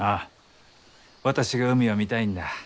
私が海を見たいんだ。